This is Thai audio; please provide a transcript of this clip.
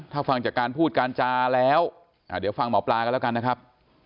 ถ้าฟังจากการพูดการจาแล้วเดี๋ยวฟังหมอปลากันแล้วกันนะครับ